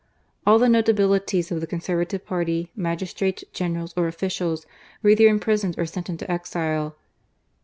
All the notabilities of the Conservative party, magis trates, generals or officials were either imprisoned or sent into exile.